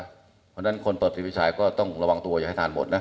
เพราะฉะนั้นคนเปิดทีวีชายก็ต้องระวังตัวอย่าให้ทานหมดนะ